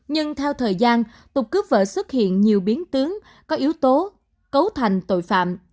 nhưng theo thời gian tục cướp vợ xuất hiện nhiều biến tướng có yếu tố cấu thành tội phạm